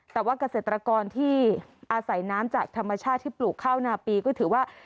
แต่ว่าเกษตรกรที่อาศัยน้ำจากธรรมชาติที่ปลูกข้าวนาปีก็ถือว่า